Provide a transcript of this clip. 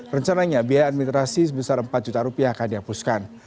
rencananya biaya administrasi sebesar empat juta rupiah akan dihapuskan